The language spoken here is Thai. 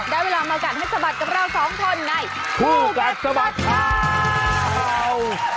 ได้เวลามากัดให้สะบัดกับเราสองคนในคู่กัดสะบัดข่าว